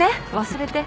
忘れて。